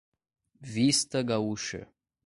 Vista Gaúcha